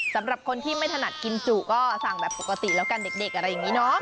สำหรับคนที่ไม่ถนัดกินจุก็สั่งแบบปกติแล้วกันเด็กอะไรอย่างนี้เนาะ